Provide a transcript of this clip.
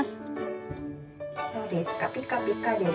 どうですかピカピカです？